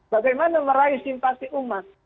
bagaimana meraih simpati umat